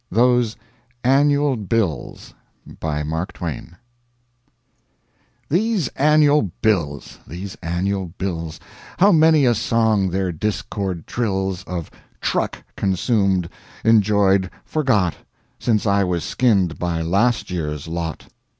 THOSE ANNUAL BILLS BY MARK TWAIN These annual bills! these annual bills! How many a song their discord trills Of "truck" consumed, enjoyed, forgot, Since I was skinned by last year's lot!